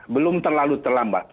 belum terlalu terlambat